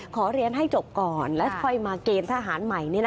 ขอเรียนให้จบก่อนและค่อยมาเกณฑ์ทหารใหม่